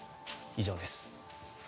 以上です。